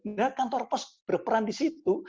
nah kantor pos berperan di situ